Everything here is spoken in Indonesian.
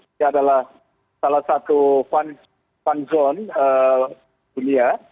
ini adalah salah satu fun zone dunia